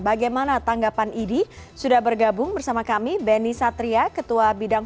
bagaimana tanggapan idi sudah bergabung bersama kami beni satria ketua bidang